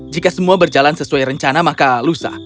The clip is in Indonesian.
jika semua berjalan sesuai rencana maka lusa